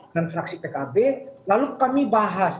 dan fraksi tkb lalu kami bahas